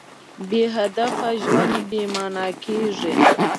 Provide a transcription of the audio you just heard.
بېهدفه ژوند بېمانا کېږي.